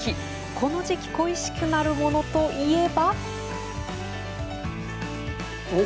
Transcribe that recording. この時期恋しくなるものといえば。